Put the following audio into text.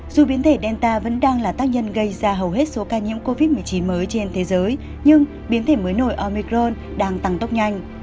dù biến thể delta vẫn đang là tác nhân gây ra hầu hết số ca nhiễm covid một mươi chín mới trên thế giới nhưng biến thể mới nổi omicron đang tăng tốc nhanh